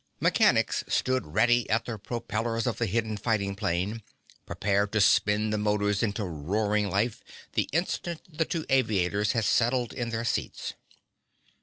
Mechanics stood ready at the propellers of the hidden fighting plane, prepared to spin the motors into roaring life the instant the two aviators had settled in their seats.